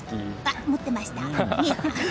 持ってました。